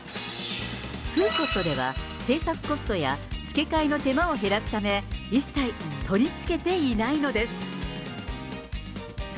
フーコットでは制作コストや付け替えの手間を減らすため、一切取り付けていないのです。